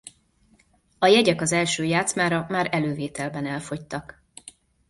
A jegyek az első játszmára már elővételben elfogytak.